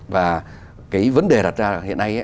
và cái vấn đề đặt ra hiện nay